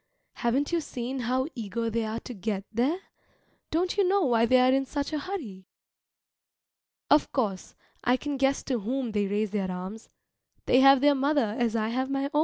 Haven't you seen how eager they are to get there? Don't you know why they are in such a hurry? Of course, I can guess to whom they raise their arms: they have their mother as I have my own.